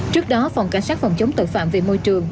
trước đó phòng cảnh sát phòng chống tội phạm về môi trường